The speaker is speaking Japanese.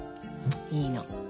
いいの。